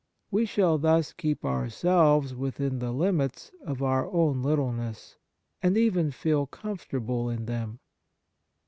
We shall thus keep our selves within the limits of our own little ness, and even feel comfortable in them.